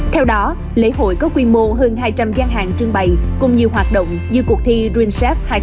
theo đó lễ hội có quy mô hơn hai trăm linh gian hàng trưng bày cùng nhiều hoạt động như cuộc thi green chef hai nghìn hai mươi ba